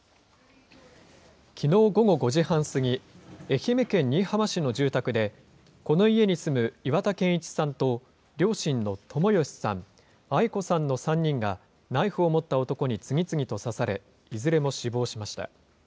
きのう午後５時半過ぎ、愛媛県新居浜市の住宅で、この家に住む岩田健一さんと、両親の友義さん、愛子さんの３人がナイフを持った男に次々と刺され、いずれも死亡しました。